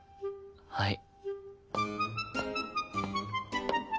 はい。